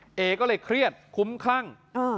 เอก็เลยเครียดคุ้มคลั่ง